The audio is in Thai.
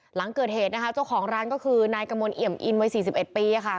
หลังเกิดเหตุนะคะเจ้าของร้านก็คือนายกะมนต์เอียมอินเวย์สี่สิบเอ็ดปีนะคะ